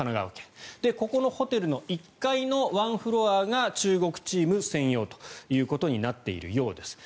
ここのホテルの１階のワンフロアが中国チーム専用となっているようです。